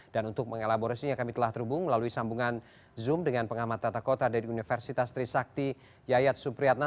dan untuk mengelaborasinya kami telah terhubung melalui sambungan zoom dengan pengamat tata kota dari universitas trisakti yayat supriyatna